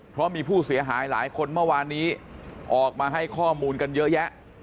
เพราะมีผู้เสียหายหลายคนเมื่อวานนี้ออกมาให้ข้อมูลกันเยอะแยะ